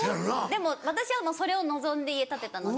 でも私はそれを望んで家建てたので。